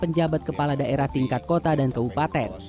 pemimpin penjabat kepala daerah tingkat kota dan keupatan